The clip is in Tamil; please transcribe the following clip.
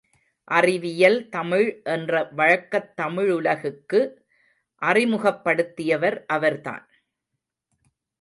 அறிவியல் தமிழ் என்ற வழக்கைத் தமிழுலகுக்கு அறிமுகப்படுத்தியவர் அவர்தான்.